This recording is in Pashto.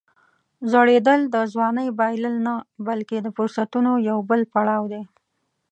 زوړېدل د ځوانۍ بایلل نه، بلکې د فرصتونو یو بل پړاو دی.